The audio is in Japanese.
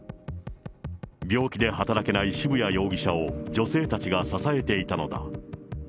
病気で働けない渋谷容疑者を、女性たちが支えていたのだ。